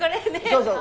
そうそう！